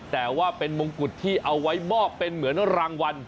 แต่ว่าเป็นมงกุฎที่เอาไว้มอบเป็นเหมือนรางวัล